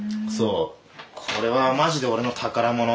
これはマジで俺の宝物。